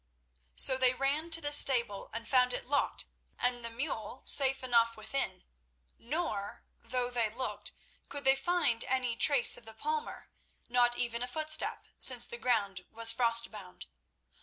So they ran to the stable and found it locked and the mule safe enough within. Nor—though they looked—could they find any trace of the palmer—not even a footstep, since the ground was frostbound.